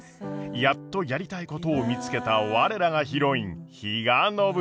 やっとやりたいことを見つけた我らがヒロイン比嘉暢子。